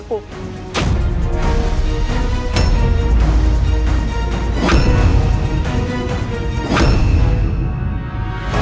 aku ingin mencintaimu